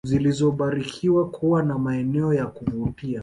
zilizobarikiwa kuwa na maeneo ya kuvutia